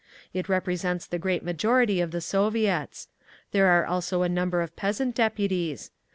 It represents the great majority of the Soviets. There are also a number of Peasant deputies.